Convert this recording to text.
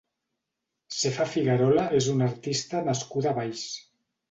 Sefa Figuerola és una artista nascuda a Valls.